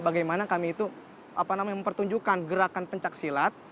bagaimana kami itu apa namanya mempertunjukkan gerakan pencak silat